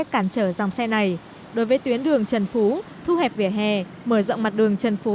cản trở dòng xe này đối với tuyến đường trần phú thu hẹp vỉa hè mở rộng mặt đường trần phú